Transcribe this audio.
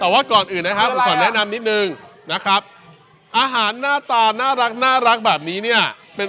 แต่ว่าก่อนอื่นนะครับผมขอแนะนำนิดนึงนะครับอาหารหน้าตาน่ารักแบบนี้เนี่ยเป็น